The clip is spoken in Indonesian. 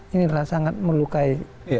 ini sangat melukai